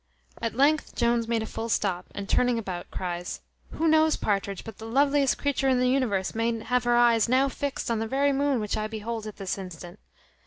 At length Jones made a full stop, and turning about, cries, "Who knows, Partridge, but the loveliest creature in the universe may have her eyes now fixed on that very moon which I behold at this instant?"